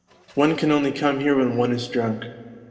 One can only come here when one is drunk.